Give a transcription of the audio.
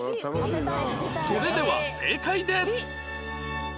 それでは正解です